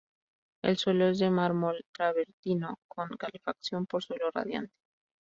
El suelo es de mármol travertino, con calefacción por suelo radiante.